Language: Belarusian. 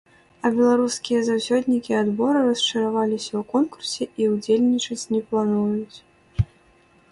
А беларускія заўсёднікі адбору расчараваліся ў конкурсе і ўдзельнічаць не плануюць.